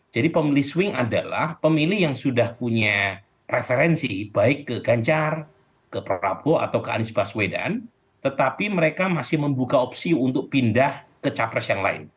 jadi pemilih swing adalah pemilih yang sudah punya referensi baik ke ganjar ke prabowo atau ke anies baswedan tetapi mereka masih membuka opsi untuk pindah ke capres yang lain